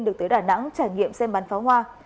được tới đà nẵng trải nghiệm xem bắn pháo hoa